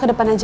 ke depan aja